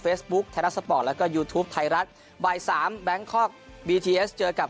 เฟซบุ๊กแทนรัสสปอร์ตแล้วก็ยูทูปไทยรัฐบ่าย๓แบงค์คอร์กบีทีเอสเจอกับ